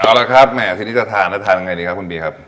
เอาละครับแหมทีนี้จะทานแล้วทานยังไงดีครับคุณบีครับ